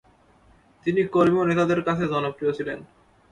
তিনি কর্মী ও নেতাদের কাছে জনপ্রিয় ছিলেন।